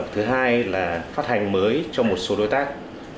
thứ hai là phát hành mới cho một số đối tác